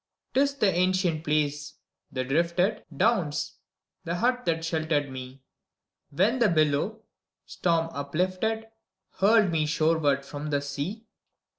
'T is the ancient place, the drifted Downs, the hut that sheltered me, When the billow, storm uplifted. Hurled me shoreward from the sea